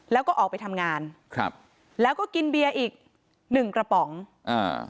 แล้วก็ออกไปทำงานครับแล้วก็กินเบียร์อีกหนึ่งกระป๋องอ่า